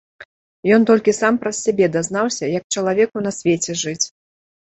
Ён толькі сам праз сябе дазнаўся, як чалавеку на свеце жыць.